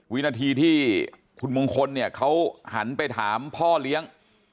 วินาทีที่คุณมงคลเนี่ยเขาหันไปถามพ่อเลี้ยง